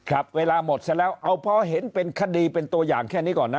ครับเวลาหมดซะแล้วเอาพอเห็นเป็นคดีเป็นตัวอย่างแค่นี้ก่อนนะ